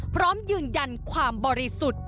พร้อมยืนยันความบริสุทธิ์